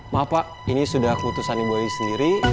maaf pak ini sudah keutusan ibu ayu sendiri